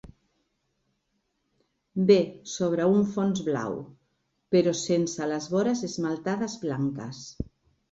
B. sobre un fons blau, però sense les vores esmaltades blanques.